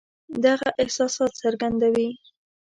دغه احساسات څرګندوي.